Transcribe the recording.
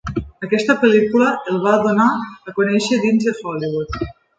Aquesta pel·lícula el va donar a conèixer dins de Hollywood.